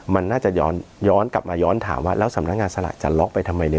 มันน่าจะย้อนกลับมาย้อนถามว่าแล้วสำนักงานสลากจะล็อกไปทำไมเนี่ย